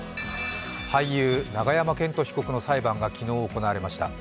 俳優・永山絢斗被告の裁判が昨日行われました。